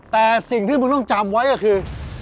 แต่สิ่งที่มึงต้องจำไว้ก็คือ